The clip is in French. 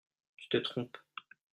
Tu te trompes.